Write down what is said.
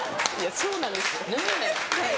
そうなんですはい。